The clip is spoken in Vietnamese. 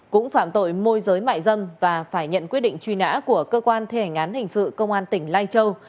cũng phạm tội môi giới mại dân và phải nhận quyết định truy nã của cơ quan thể ngán hình sự công an tỉnh lai châu